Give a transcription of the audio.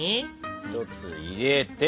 １つ入れて。